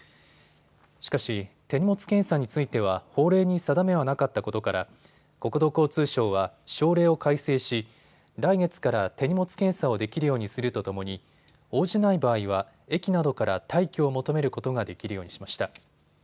しかし手荷物検査については法令に定めはなかったことから国土交通省は省令を改正し来月から手荷物検査をできるようにするとともに応じない場合は駅などから退去を求めることができるようにしました。